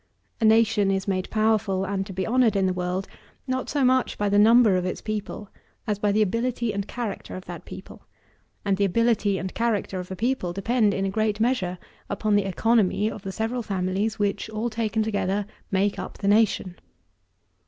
A nation is made powerful and to be honoured in the world, not so much by the number of its people as by the ability and character of that people; and the ability and character of a people depend, in a great measure, upon the economy of the several families, which, all taken together, make up the nation.